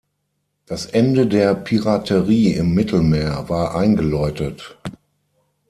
Das Ende der Piraterie im Mittelmeer war eingeläutet.